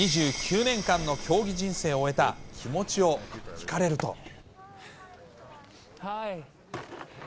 ２９年間の競技人生を終えた気持ちを聞かれると。